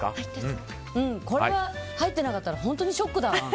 これは入ってなかったら本当にショックだよ。